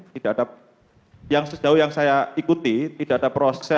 tidak ada yang sejauh yang saya ikuti tidak ada proses